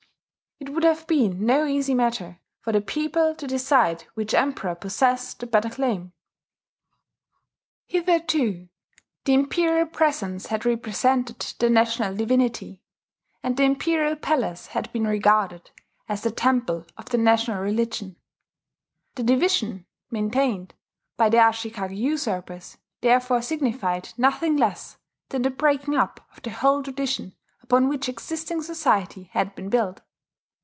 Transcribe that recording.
It would have been no easy matter for the people to decide which Emperor possessed the better claim. Hitherto the imperial presence had represented the national divinity; and the imperial palace had been regarded as the temple of the national religion: the division maintained by the Ashikaga usurpers therefore signified nothing less than the breaking up of the whole tradition upon which existing society had been built.